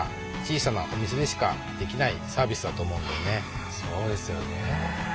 ああそうですよね。